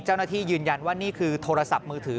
เจ้าหน้าที่ยืนยันว่านี่คือโทรศัพท์มือถือ